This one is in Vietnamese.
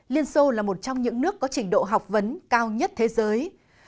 liên xô là một trong những nước có trình độ học vấn cao nhất thế giới